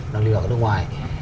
đang liên lạc với nước ngoài